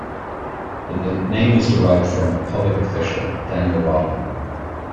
The name is derived from a public official, Daniel Rodman.